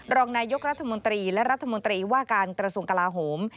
รองนายกรัฐมนตรีและรัฐมนตรีว่าการกระทรวงกลาโหม